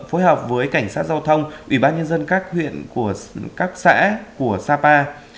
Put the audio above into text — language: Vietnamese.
phối hợp với cảnh sát giao thông ủy ban nhân dân các huyện của các xã của sapa